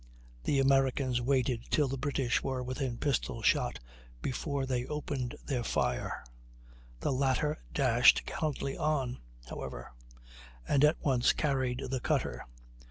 The Americans waited till the British were within pistol shot before they opened their fire; the latter dashed gallantly on, however, and at once carried the cutter.